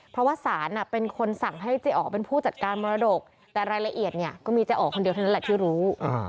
เพราะว่าศาลเป็นคนสั่งให้เจ๊อ๋อเป็นผู้จัดการมรดกแต่รายละเอียดเนี่ยก็มีเจ๊อ๋อคนเดียวเท่านั้นแหละที่รู้